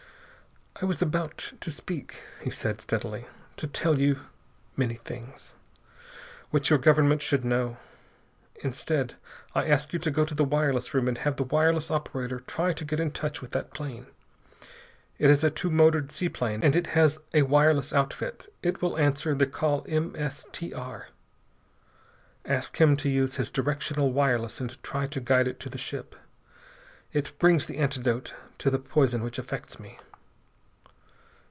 "I was about to speak," he said steadily, "to tell you many things. Which your government should know. Instead, I ask you to go to the wireless room and have the wireless operator try to get in touch with that plane. It is a two motored seaplane and it has a wireless outfit. It will answer the call M.S.T.R. Ask him to use his directional wireless and try to guide it to the ship. It brings the antidote to the poison which affects me."